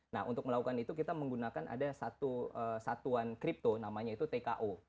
nah untuk melakukan itu kita menggunakan ada satuan kripto namanya itu tko